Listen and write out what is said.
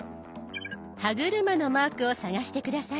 歯車のマークを探して下さい。